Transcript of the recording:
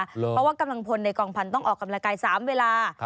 เพราะว่ากำลังพลในกองพันธุ์ต้องออกกำลังกาย๓เวลา